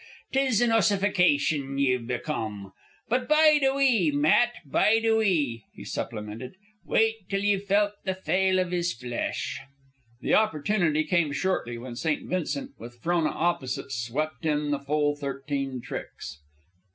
'Tis an ossification ye've become! But bide a wee, Matt, bide a wee," he supplemented. "Wait till ye've felt the fale iv his flesh." The opportunity came shortly, when St. Vincent, with Frona opposite, swept in the full thirteen tricks.